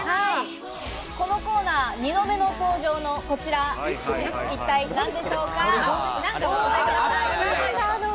このコーナー、２度目の登場のこちら、一体何でしょうか？